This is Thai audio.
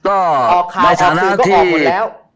ออกคารทุกสินก็ออกหมดแล้ว